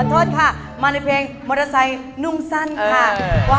โทษค่ะมาในเพลงมอเตอร์ไซค์นุ่งสั้นค่ะ